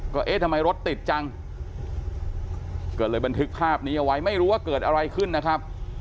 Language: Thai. ก็เอ๊ะทำไมรถติดจังก็เลยบันทึกภาพนี้เอาไว้ไม่รู้ว่าเกิดอะไรขึ้นนะครับ